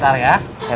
terima kasih yah